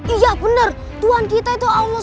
iya bener tuhan kita itu allah s w t